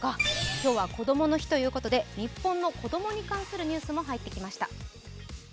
今日はこどもの日ということで日本の子供に関するニュースも入ってきました。